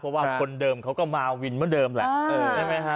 เพราะว่าคนเดิมเขาก็มาวินเหมือนเดิมแหละใช่ไหมฮะ